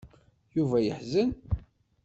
Yuba yeḥzen.